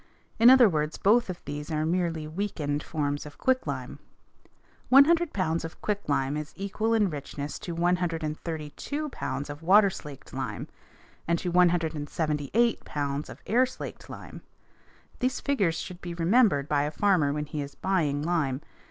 In other words, both of these are merely weakened forms of quicklime. One hundred pounds of quicklime is equal in richness to 132 pounds of water slaked lime and to 178 pounds of air slaked lime. These figures should be remembered by a farmer when he is buying lime.